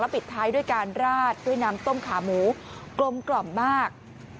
ปิดท้ายด้วยการราดด้วยน้ำต้มขาหมูกลมกล่อมมาก